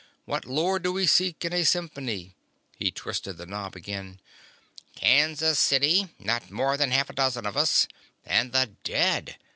What lore do we seek in a symphony...?" He twisted the knob again. "... Kansas City. Not more than half a dozen of us. And the dead!